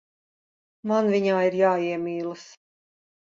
Man viņā ir jāiemīlas.